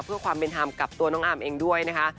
เพื่อความเป็นธรรมกับตัวน้องอาร์มเองด้วยนะคะ